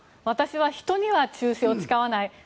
私は人には忠誠を誓わない。